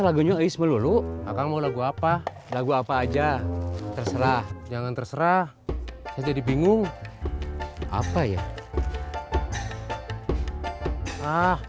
lagunya isme lulu akan mau lagu apa lagu apa aja terserah jangan terserah saya jadi bingung apa ya ah